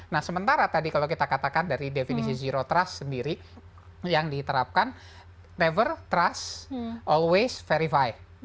nah sementara tadi kalau kita katakan dari definisi zero trust sendiri yang diterapkan never trust all waste verify